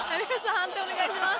判定お願いします。